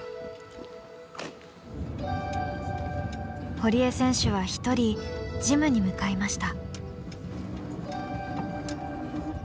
堀江選手は一人ジムに向かいました。